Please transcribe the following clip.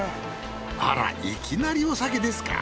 あらいきなりお酒ですか。